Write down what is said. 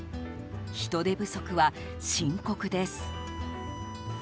人手不足は深刻です。